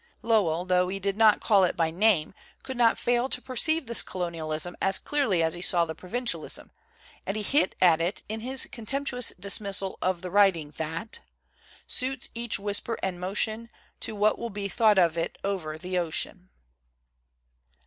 Lowell, tho he >t call it by name, could not fail to per this colonialism as clearly as he saw the provincialism; and he hit at it in his contemptu ous dismissal of the writing that suits each whisper and motion To what will be thought of it over the ocean.